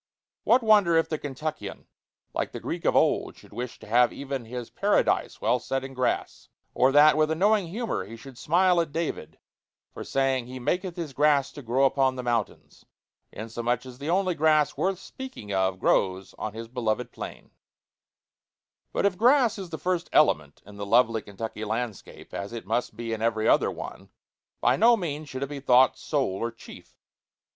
What wonder if the Kentuckian, like the Greek of old, should wish to have even his paradise well set in grass; or that, with a knowing humor, he should smile at David for saying, "He maketh his grass to grow upon the mountains," inasmuch as the only grass worth speaking of grows on his beloved plain! [Illustration: SHEEP IN WOODLAND PASTURE.] II But if grass is the first element in the lovely Kentucky landscape, as it must be in every other one, by no means should it be thought sole or chief.